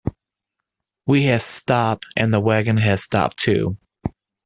We had stopped, and the waggon had stopped too.